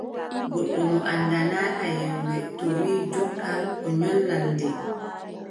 Goɗɗo mo anndanaay yewre, to wii jokkan, na nyolnan nde.